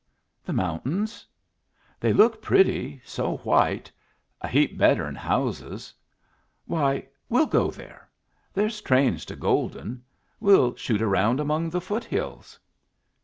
"The mountains? They look pretty, so white! A heap better 'n houses. Why, we'll go there! There's trains to Golden. We'll shoot around among the foothills."